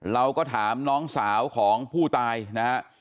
เราก็ถามน้องสาวของผู้ตายนะฮะ